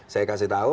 saya kasih tahu